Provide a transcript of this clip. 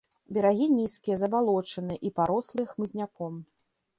Берагі нізкія, забалочаныя і парослыя хмызняком.